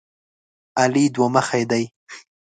علي دوه مخی دی.